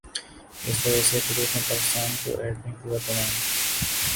اسی وجہ سے قدرت نے پاکستان کو ایٹمی قوت بنایا ہے۔